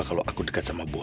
ini aku udah di makam mami aku